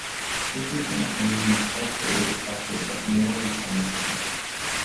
This is not only culturally accepted but morally sanctioned.